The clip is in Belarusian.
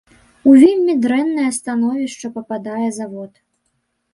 У вельмі дрэннае становішча пападае завод.